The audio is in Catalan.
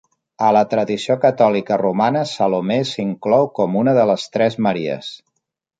A la tradició catòlica romana Salomé s'inclou com una de les tres Maries.